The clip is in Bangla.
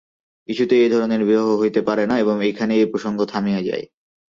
কিছুতেই এ ধরনের বিবাহ হইতে পারে না এবং এইখানেই এ প্রসঙ্গ থামিয়া যায়।